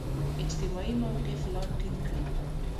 اجتماعي موقف لا ټینګ کړي.